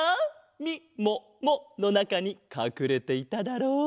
みもものなかにかくれていただろう。